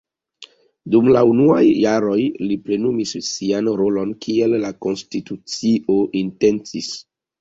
Dum la unuaj jaroj li plenumis sian rolon kiel la konstitucio intencis.